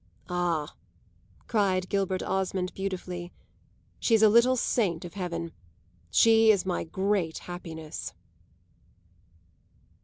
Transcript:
"Ah," cried Gilbert Osmond beautifully, "she's a little saint of heaven! She is my great happiness!"